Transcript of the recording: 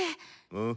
うん？